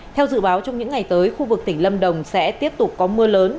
theo dự báo trong những ngày tới khu vực tỉnh lâm đồng sẽ tiếp tục có mưa lớn